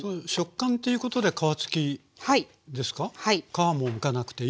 皮もむかなくていい？